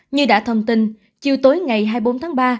như đã thông tin chiều tối ngày hai mươi bốn tháng ba